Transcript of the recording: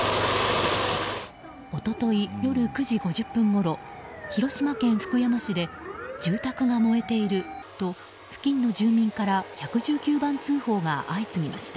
一昨日、夜９時５０分ごろ広島県福山市で住宅が燃えていると付近の住民から１１９番通報が相次ぎました。